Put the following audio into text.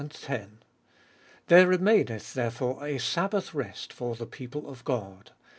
There remaineth therefore a sabbath rest for the people of God.